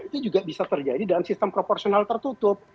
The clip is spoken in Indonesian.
itu juga bisa terjadi dalam sistem proporsional tertutup